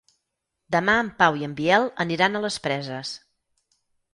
Demà en Pau i en Biel aniran a les Preses.